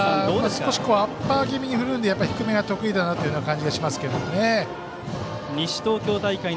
少しアッパー気味に振るので低めは得意だなという感じがしますね。